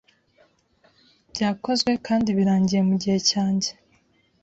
Byakozwe kandi birangiye, mugihe cyanjye,